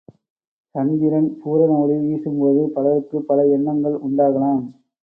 சந்திரன் பூரண ஒளி வீசும்போது பலருக்குப் பல எண்ணங்கள் உண்டாகலாம்.